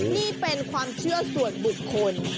นี่เป็นความเชื่อส่วนบุคคล